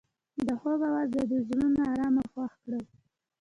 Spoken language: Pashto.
د خوب اواز د دوی زړونه ارامه او خوښ کړل.